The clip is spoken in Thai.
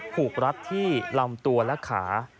รัดที่ลำตัวและขา